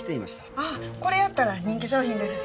ああこれやったら人気商品ですし。